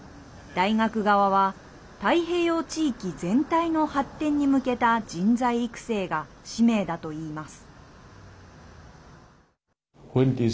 大学側は太平洋地域全体の発展に向けた人材育成が使命だといいます。